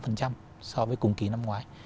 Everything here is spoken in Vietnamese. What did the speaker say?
như năm ngoái